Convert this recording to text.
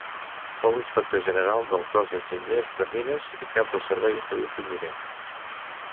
Fou inspector general del Cos d'Enginyers de Mines i Cap del Servei Estadístic Miner.